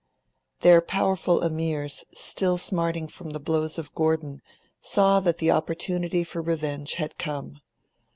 Their powerful Emirs, still smarting from the blows of Gordon, saw that the opportunity for revenge had come.